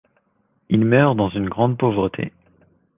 Il meurt dans une grande pauvreté.